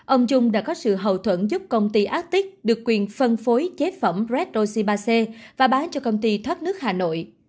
ông trung đã có sự hậu thuẫn giúp công ty arctic được quyền phân phối chế phẩm red oxy ba c và bán cho công ty thoát nước hà nội